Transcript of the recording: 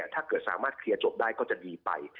ถ้าเกิดสามารถเคลียร์จบได้ก็จะดีไป